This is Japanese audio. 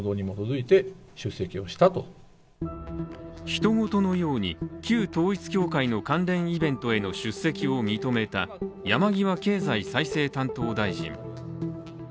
ひと事のように旧統一教会の関連イベントへの出席を認めた、山際経済再生担当大臣。